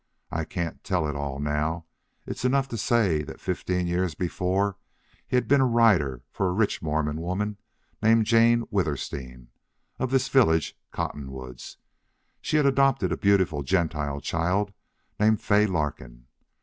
I can't tell it all now. It is enough to say that fifteen years before he had been a rider for a rich Mormon woman named Jane Withersteen, of this village Cottonwoods. She had adopted a beautiful Gentile child named Fay Larkin.